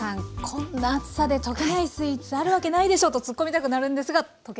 こんな暑さで溶けないスイーツあるわけないでしょとつっこみたくなるんですが溶けないんですよね。